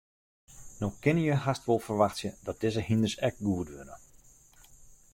No kinne je hast wol ferwachtsje dat dizze hynders ek goed wurde.